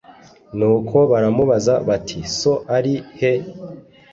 Nuko baramubaza bati So ari he